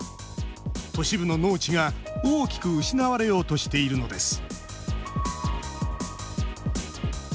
都市部の農地が大きく失われようとしているのです